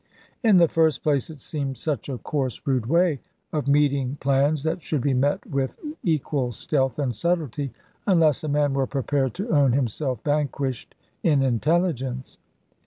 In the first place, it seemed such a coarse rude way of meeting plans that should be met with equal stealth and subtlety, unless a man were prepared to own himself vanquished in intelligence.